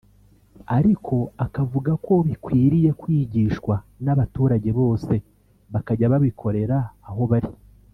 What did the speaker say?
ariko akavuga ko bikwiriye kwigishwa n’abaturage bose bakajya babikorera aho bari